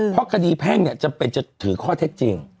เพราะคดีแพ่งเนี่ยจำเป็นจะถือข้อเท็จจริง